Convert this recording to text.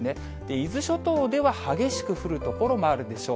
伊豆諸島では激しく降る所もあるでしょう。